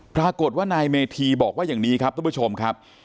ปรากฏว่านายเมธีบอกว่าอย่างนี้ครับทุกผู้ชมครับ